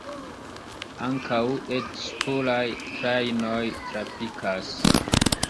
Ankaŭ et-ŝpuraj trajnoj trafikas.